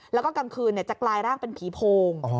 แล้วก็กลางคืนจะกลายร่างเป็นผีโพง